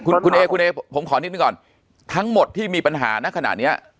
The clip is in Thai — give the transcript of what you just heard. คุณคุณเอคุณเอผมขอนิดหนึ่งก่อนทั้งหมดที่มีปัญหานะขณะเนี้ย